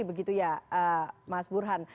begitu ya mas burhan